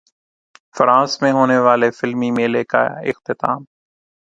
France میں ہونے والے فلمی میلے کا اختتام